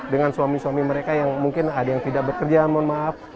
dengan suami suami mereka yang mungkin ada yang tidak bekerja mohon maaf